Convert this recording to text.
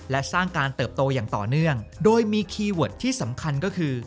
และสร้างการเติบโตอย่างต่อเนื่องโดยมีคีย์เวิร์ดที่สำคัญก็คือ